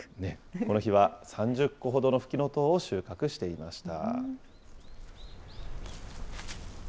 この日は３０個ほどのフキノトウを収穫していました。